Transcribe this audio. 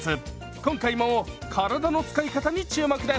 今回も体の使い方に注目です！